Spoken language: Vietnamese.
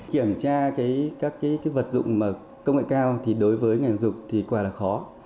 kiểm tra các vật dụng công nghệ cao đối với ngành dục thì quá là khó